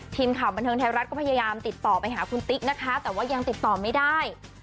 ทีมข่าวบันเทิงไทยรัฐก็พยายามติดต่อไปหาคุณติ๊กนะคะแต่ว่ายังติดต่อไม่ได้